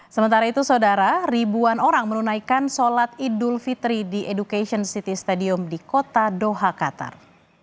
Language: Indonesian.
sementara itu saudara ribuan orang menunaikan sholat idul fitri di education city stadium di kota doha qatar